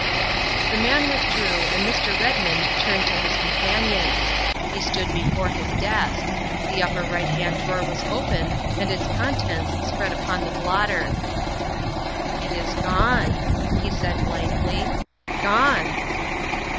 The man withdrew, and Mr. Redmond turned to his companions. He stood before his desk ; the upper right hand drawer was open and its contents spread upon the blotter. 1 ' It is gone, '' he said blankly, '' gone.